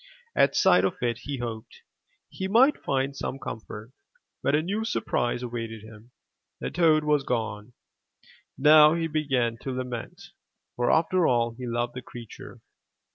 At sight of it he hoped he might find some comfort; but a new surprise awaited him — the toad was gone. Now he began to lament, for after all, he loved the creature.